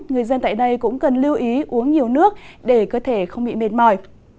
người dân tại đây cũng cần lưu ý uống nhiều nước để cơ thể không bị mệt mỏi